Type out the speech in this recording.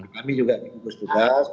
kami juga dihukus tugas